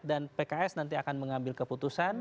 dan pks nanti akan mengambil keputusan